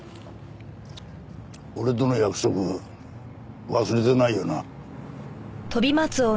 俺との約束忘れてないよな？